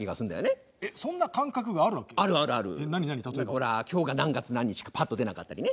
ほら今日が何月何日かパッと出なかったりね。